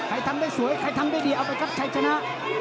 ทำได้สวยใครทำได้ดีเอาไปครับชัยชนะ